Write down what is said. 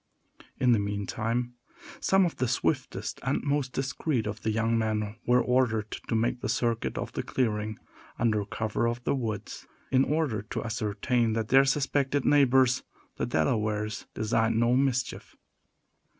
In the meantime, some of the swiftest and most discreet of the young men were ordered to make the circuit of the clearing, under cover of the woods, in order to ascertain that their suspected neighbors, the Delawares, designed no mischief.